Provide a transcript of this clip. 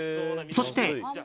そして。